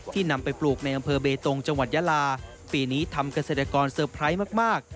นำไปปลูกในอำเภอเบตงจังหวัดยาลาปีนี้ทำเกษตรกรเซอร์ไพรส์มาก